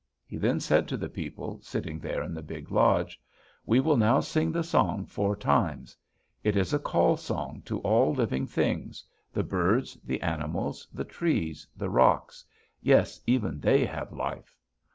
He then said to the people, sitting there in the big lodge: 'We will now sing the song four times. It is a call song to all living things: the birds, the animals, the trees, the rocks yes, even they have life.